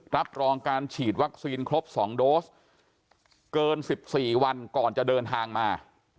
รับรองการฉีดวัคซีนครบ๒โดสเกิน๑๔วันก่อนจะเดินทางมา